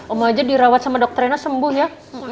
oma aja dirawat sama dokter rena sembuh ya